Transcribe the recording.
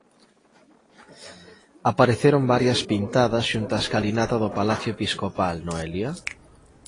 Apareceron varias pintadas xunto á escalinata do palacio episcopal, Noelia?